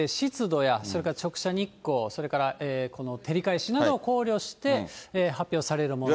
これは気温だけでなくて、湿度や、それから直射日光、それから照り返しなどを考慮して、発表されるものです。